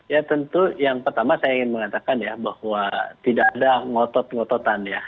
ya tentu yang pertama saya ingin mengatakan ya bahwa tidak ada ngotot ngototan ya